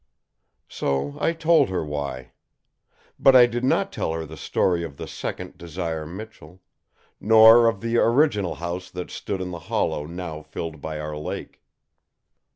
So I told her why. But I did not tell her the story of the second Desire Michell; nor of the original house that stood in the hollow now filled by our lake.